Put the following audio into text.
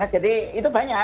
jadi itu banyak